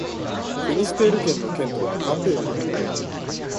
フィニステール県の県都はカンペールである